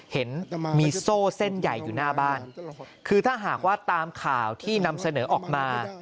เห็นมีโซ่เส้นใหญ่อยู่หน้าบ้านคือถ้าหากว่าตามข่าวที่นำเสนอออกมา